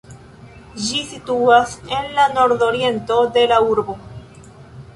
Ĝi situas en la nordoriento de la urbo.